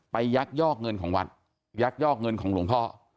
ยักยอกเงินของวัดยักยอกเงินของหลวงพ่อ